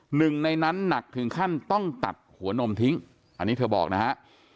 หนึ่งในนั้นหนักถึงขั้นต้องตัดหัวนมทิ้งอันนี้เธอบอกนะฮะ